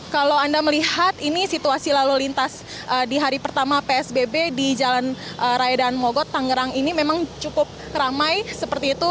kalau anda melihat ini situasi lalu lintas di hari pertama psbb di jalan raya dan mogot tangerang ini memang cukup ramai seperti itu